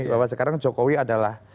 bahwa sekarang jokowi adalah